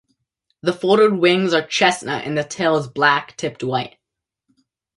The folded wings are chestnut and the tail is black, tipped white.